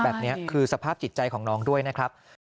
แบบนี้คือสภาพจิตใจของน้องด้วยนะครับ